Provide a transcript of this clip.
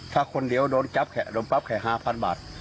ถ้าคนเดียวโดนจับแขะโดนปั๊บแขก๕๐๐บาท